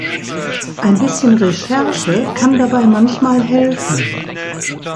Ein bisschen Recherche kann dabei manchmal helfen.